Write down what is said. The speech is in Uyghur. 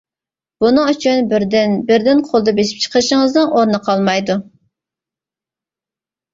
بۇنىڭ ئۈچۈن بىردىن-بىردىن قولدا بېسىپ چىقىرىشىڭىزنىڭ ئورنى قالمايدۇ.